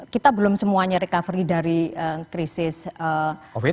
kita belum semuanya recovery dari krisis covid sembilan